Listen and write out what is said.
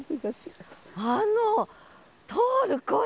あの通る声。